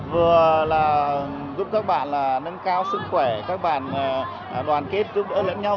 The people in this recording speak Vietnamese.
vừa là giúp các bạn nâng cao sức khỏe các bạn đoàn kết giúp đỡ lẫn nhau